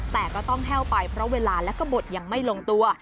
แต่ก็ต้องแห้วไปเพราะเวลาและก็บทยังไม่ลงตัว